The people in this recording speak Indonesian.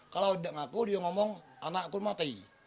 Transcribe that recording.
kalau tidak ngaku dia ngomong anak aku mati